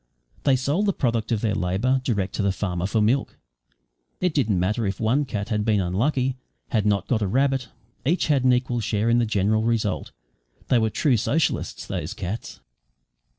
They sold the product of their labour direct to the farmer for milk. It didn't matter if one cat had been unlucky had not got a rabbit each had an equal share in the general result. They were true socialists, those cats.